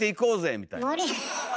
みたいな。